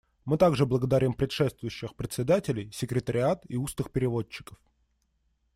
Мы также благодарим предшествующих председателей, секретариат и устных переводчиков.